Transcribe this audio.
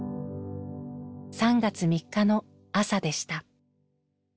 ３月３日の朝でした。